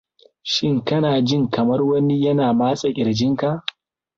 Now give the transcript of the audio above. shin kana jin kamar wani yana matse kirjin ka